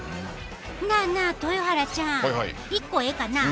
なあなあ豊原ちゃん１個ええかな？